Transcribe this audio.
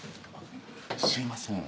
すみません。